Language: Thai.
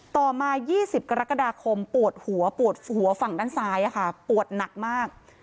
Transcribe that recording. ต่อมา๒๐กรกฎาคมปวดหัวปวดหัวฝั่งด้านซ้ายปวดหนักมาก